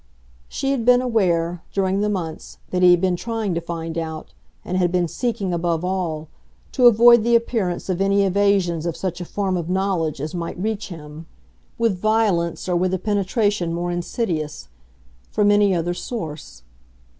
She had been aware, during the months, that he had been trying to find out, and had been seeking, above all, to avoid the appearance of any evasions of such a form of knowledge as might reach him, with violence or with a penetration more insidious, from any other source.